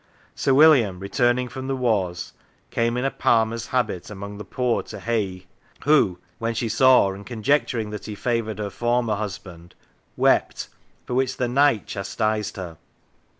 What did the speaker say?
Sir William, returning from the wars, came in a palmer's habit amongst the poor to Haigh, who, when she saw and conjecturing that he favoured her former husband, wept, for which the Knight chastised her.